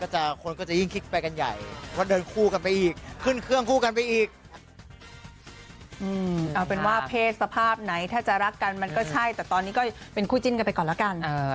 จริงหรือเปล่าไปฟังค่ะ